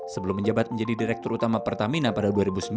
sebelum menjabat menjadi direktur utama pertamina pada dua ribu sembilan